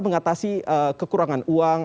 mengatasi kekurangan uang